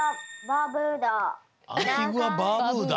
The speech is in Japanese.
バーブーダ？